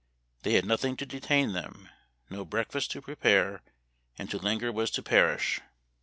They had nothing to detain them, no breakfast to prepare, and to linger was to perish.